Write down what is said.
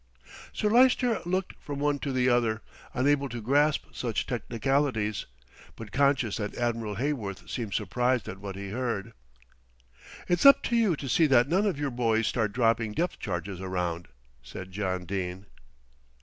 Sir Lyster looked from one to the other, unable to grasp such technicalities; but conscious that Admiral Heyworth seemed surprised at what he heard. "It's up to you to see that none of your boys start dropping depth charges around," said John Dene.